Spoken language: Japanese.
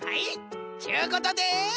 ちゅうことで。